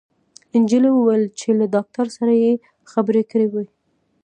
انجلۍ وويل چې له ډاکټر سره يې خبرې کړې وې